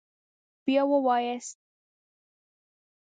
بیا ووایاست